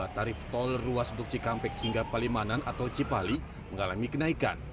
tarif tol ruas untuk cikampek hingga palimanan atau cipali mengalami kenaikan